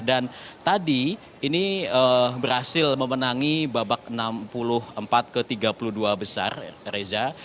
dan tadi ini berhasil memenangi babak enam puluh empat ke tiga puluh dua besar reza